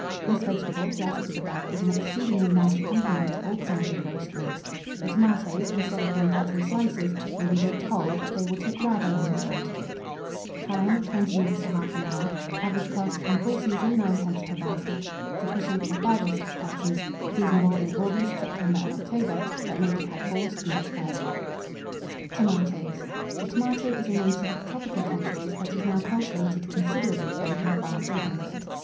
This vegetable, dressed as above, is an exceedingly nice accompaniment to all kinds of roast meat. The tomatoes, instead of being cut in slices, may be baked whole; but they will take rather longer time to cook. Time. 20 minutes to 1/2 hour. Average cost, in full season, 9d. per basket. Sufficient for 5 or 6 persons. Seasonable in August, September, and October; but may be had, forced, much earlier. [Illustration: THE TOMATO.] TOMATOES. The Tomato is a native of tropical countries, but is now cultivated considerably both in France and England.